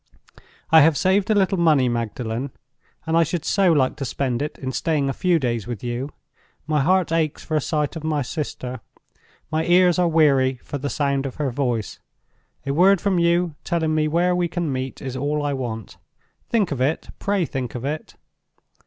"I have saved a little money, Magdalen; and I should so like to spend it in staying a few days with you. My heart aches for a sight of my sister; my ears are weary for the sound of her voice. A word from you telling me where we can meet, is all I want. Think of it—pray think of it.